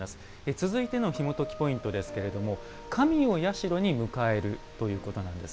続いてのひもときポイントですけれども神を社に迎えるということなんです。